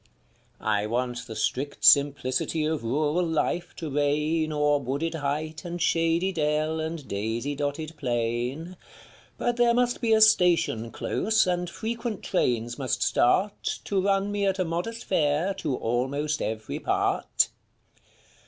I want the strict simplicity of rural life to reign O'er wooded height and shady dell and daisy dotted plain ; But there must be a station close and frequent trains must start To run me at a modest fare to almost every part.